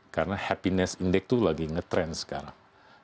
karena happiness index itu lagi nge trend sekarang